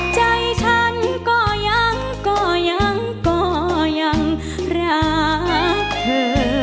ใจฉันก็ยังก็ยังก็ยังรักเธอ